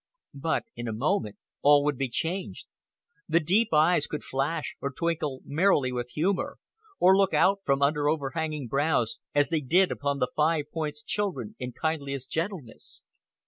But in a moment all would be changed. The deep eyes could flash, or twinkle merrily with humor, or look out from under overhanging brows as they did upon the Five Points children in kindliest gentleness.